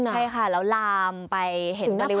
ใช่ค่ะแล้วลามไปเห็นบริเวณ